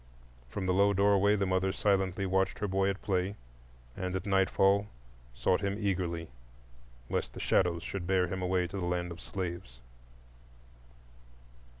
From the low doorway the mother silently watched her boy at play, and at nightfall sought him eagerly lest the shadows bear him away to the land of slaves.